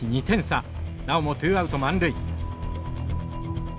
なおもツーアウト満塁。